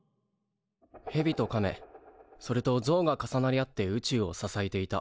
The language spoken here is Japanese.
ヘビとカメそれとゾウが重なり合って宇宙を支えていた。